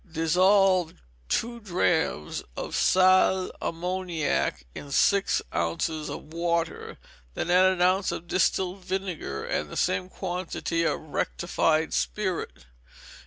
Dissolve two drachms of sal ammoniac in six ounces of water, then add an ounce of distilled vinegar and the same quantity of rectified spirit.